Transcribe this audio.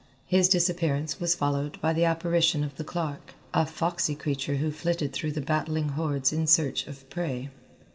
His disappearance was followed by the apparition of the clerk, a foxy creature who flitted through the battling hordes in search of prey.